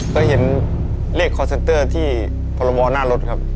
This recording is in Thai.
เคยเห็นเลขอลเซ็นเตอร์ที่พรมวอลหน้ารถครับ